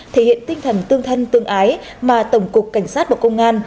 thể hiện tinh thần tương thân tương ái mà tổng cục cảnh sát bộ công an